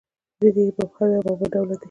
• ځینې یې مبهمې او معما ډوله دي.